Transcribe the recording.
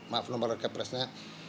maaf nomor kepresnya